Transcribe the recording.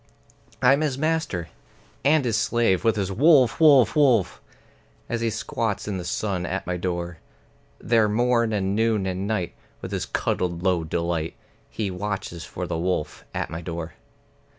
I'm his master (and his slave, with his "Wolf, wolf, wolf!") As he squats in the sun at my door. There morn and noon and night, with his cuddled low delight, He watches for the wolf at my door.